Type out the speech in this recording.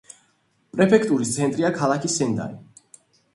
პრეფექტურის ცენტრია ქალაქი სენდაი.